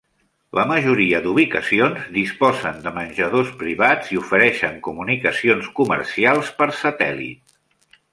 La majoria d'ubicacions disposen de menjadors privats i ofereixen comunicacions comercials per satèl·lit.